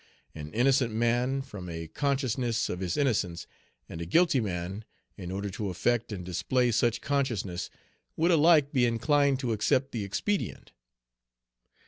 An innocent man, from a consciousness of his innocence, and a guilty man, in order to affect and display such consciousness, would alike be inclined to accept the expedient.